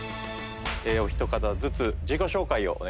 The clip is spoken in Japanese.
お一方ずつ自己紹介をお願いします。